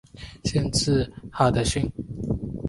县治哈得逊。